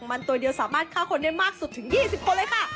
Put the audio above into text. มันตัวเดียวสามารถฆ่าคนได้มากสุดถึง๒๐คนเลยค่ะ